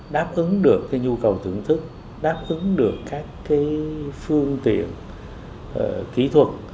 đáp ứng được cái nhu cầu thưởng thức đáp ứng được các cái phương tiện kỹ thuật